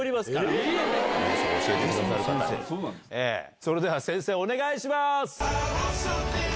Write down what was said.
それでは先生お願いします！